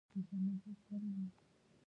ما ورته وویل، هغه ما هم ځوروي.